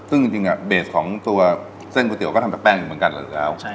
ซึ่งจริงเบสของตัวเส้นก๋วยเตี๋ก็ทำจากแป้งอยู่เหมือนกันอะไรอยู่แล้ว